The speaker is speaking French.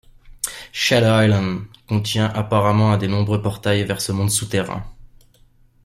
Shadow Island contient apparemment un des nombreux portails vers ce monde souterrain.